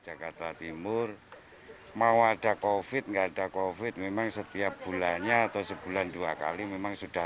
jakarta timur mau ada covid enggak ada kofit memang setiap bulannya atau sebulan dua kali memang sudah